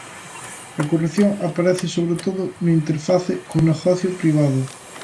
A corrupción aparece sobre todo no interface co negocio privado.